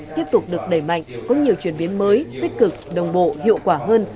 tiếp tục được đẩy mạnh có nhiều chuyển biến mới tích cực đồng bộ hiệu quả hơn